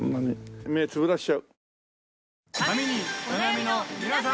目つぶらせちゃう。